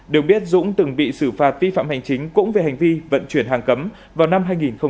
được biết dũng từng bị xử phạt vi phạm hành chính cũng về hành vi vận chuyển hàng cấm vào năm hai nghìn một mươi